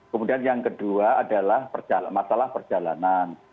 kemudian yang kedua adalah masalah perjalanan